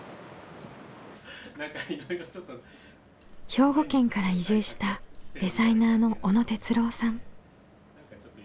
兵庫県から移住したデザイナーの小野哲郎さん。